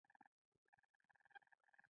لیکوال چې څه لیدلي او احساس کړي وي بیانوي.